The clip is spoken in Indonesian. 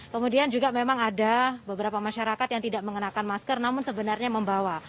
kemudian juga memang ada beberapa masyarakat yang tidak mengenakan masker namun sebenarnya membawa